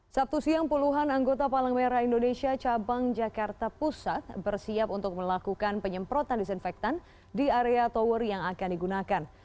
sabtu siang puluhan anggota palang merah indonesia cabang jakarta pusat bersiap untuk melakukan penyemprotan disinfektan di area tower yang akan digunakan